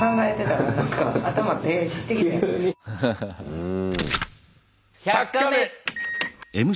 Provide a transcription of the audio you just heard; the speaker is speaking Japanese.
うん。